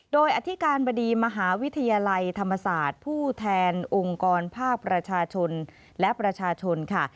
โดยอธิการบดีมหาวิทยาลัยธรรมศาสตร์ผู้แทนองค์กรภาคประชาชนและประชาชนค่ะ